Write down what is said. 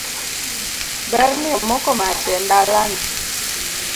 Berni omoko mach e ndalana.